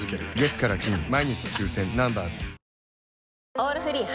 「オールフリー」